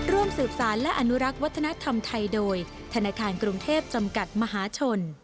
ร่วมสืบสารและอนุรักษ์วัฒนธรรมไทยโดยธนาคารกรุงเทพจำกัดมหาชน